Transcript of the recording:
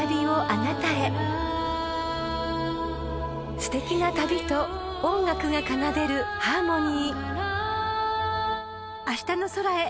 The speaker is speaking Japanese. ［すてきな旅と音楽が奏でるハーモニー］